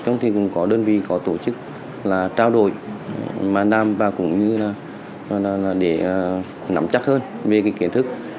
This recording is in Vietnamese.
chúng tôi cũng có đơn vị có tổ chức là trao đổi màn đam và cũng như là để nắm chắc hơn về cái kiến thức